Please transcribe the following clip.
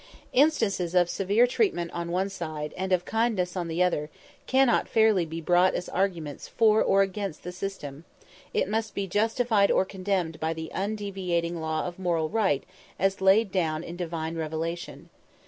Instances of severe treatment on one side, and of kindness on the other, cannot fairly be brought as arguments for or against the system; it must be justified or condemned by the undeviating law of moral right as laid down in divine revelation.